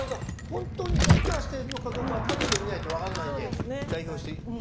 本当にふっくらしているのかどうかは食べてみないと分からないので代表して頂きます。